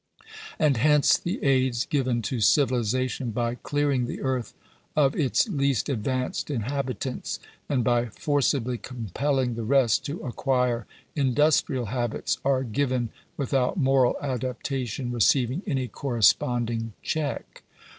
And hence the aids given to civilization by clearing the earth of its least advanced inhabitants, and by forcibly compelling the rest to acquire industrial habits, are given without moral adaptation receiving any corresponding check.